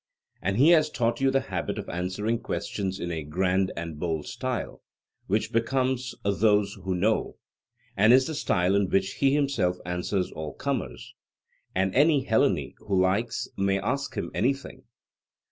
And he has taught you the habit of answering questions in a grand and bold style, which becomes those who know, and is the style in which he himself answers all comers; and any Hellene who likes may ask him anything.